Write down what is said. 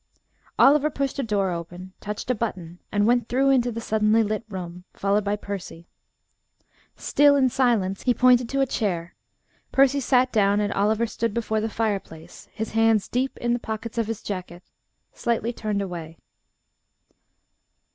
Oliver pushed a door open, touched a button, and went through into the suddenly lit room, followed by Percy. Still in silence, he pointed to a chair, Percy sat down, and Oliver stood before the fireplace, his hands deep in the pockets of his jacket, slightly turned away.